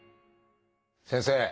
先生